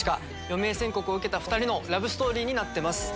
余命宣告を受けた２人のラブストーリーになってます。